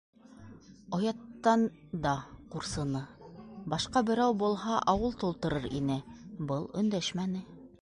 Ояттан да ҡурсыны, башҡа берәү булһа, ауыл тултырыр ине - был өндәшмәне.